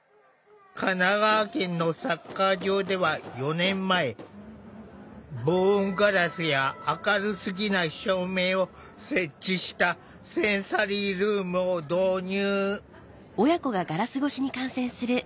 神奈川県のサッカー場では４年前防音ガラスや明るすぎない照明を設置したセンサリールームを導入。